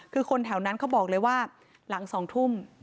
คือคนแถวนั้นเขาบอกเลยว่าหลัง๒ทุ่ม